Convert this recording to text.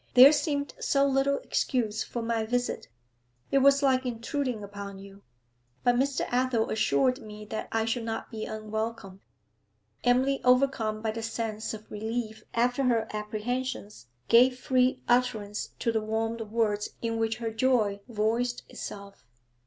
There seemed so little excuse for my visit. It was like intruding upon you. But Mr. Athel assured me that I should not be unwelcome.' Emily, overcome by the sense of relief after her apprehensions, gave free utterance to the warm words in which her joy voiced itself.